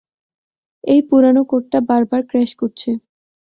এই পুরনো কোডটা বারবার ক্র্যাশ করছে।